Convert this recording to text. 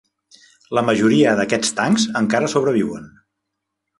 La majoria d'aquests tancs encara sobreviuen.